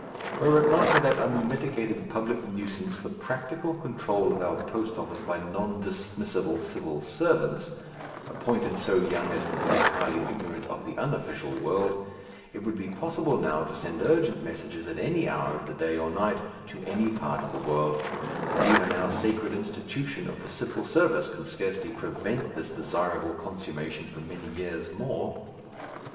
Were it not for that unmitigated public nuisance, the practical control of our post office by non dismissable Civil servants, appointed so young as to be entirely ignorant of the unofficial world, it would be possible now to send urgent messages at any hour of the day or night to any part of the world; and even our sacred institution of the Civil Service can scarcely prevent this desirable consummation for many years more.